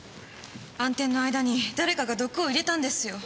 暗転の間に誰かが毒を入れたんですよ！